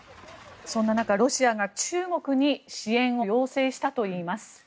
そんな中、ロシアが中国に支援を要請したといいます。